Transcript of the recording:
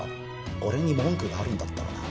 俺に文句があるんだったらな